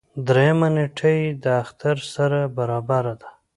دريیمه نېټه یې د اختر سره برابره ده.